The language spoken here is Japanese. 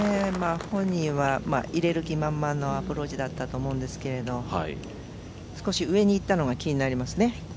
本人は入れる気満々のアプローチだったと思うんですけど少し上に行ったのが気になりますね。